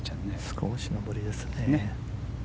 少し上りですね。